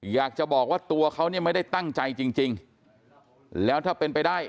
อยากจะบอกว่าตัวเขาเนี่ยไม่ได้ตั้งใจจริงแล้วถ้าเป็นไปได้